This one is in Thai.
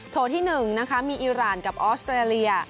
โที่๑นะคะมีอิราณกับออสเตรเลีย